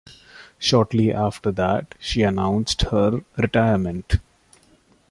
Shortly after that she announced her retirement.